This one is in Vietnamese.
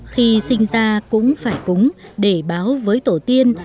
khi sinh ra cũng phải cúng để báo với tổ tiên